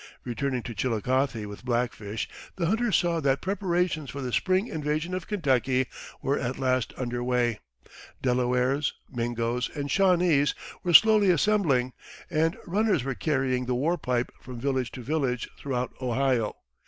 Returning to Chillicothe with Black Fish, the hunter saw that preparations for the spring invasion of Kentucky were at last under way. Delawares, Mingos, and Shawnese were slowly assembling, and runners were carrying the war pipe from village to village throughout Ohio.